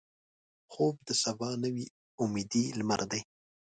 خوب د سبا نوې امیدي لمر دی